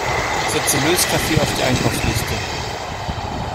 Setze Löskaffee auf die Einkaufsliste!